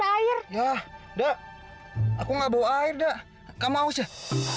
saya juga tanggung polon about it